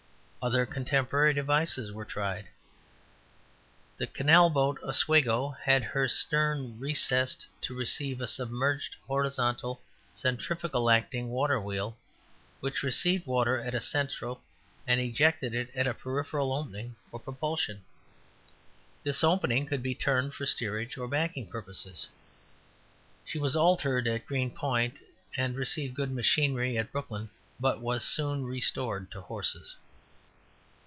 Other contemporary devices were tried. The canal boat, Oswego, had her stern recessed to receive a submerged horizontal, centrifugal acting water wheel, which received water at a central and ejected it at a periphery opening for propulsion. This opening could be turned for steerage or backing purposes. She was altered at Green Point and received good machinery at Brooklyn, but was soon restored to horses.